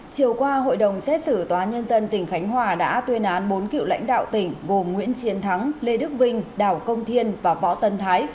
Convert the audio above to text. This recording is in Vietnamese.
chiều qua hội đồng xét xử tòa nhân dân tỉnh khánh hòa đã tuyên án bốn cựu lãnh đạo tỉnh gồm nguyễn chiến thắng lê đức vinh đào công thiên và võ tân thái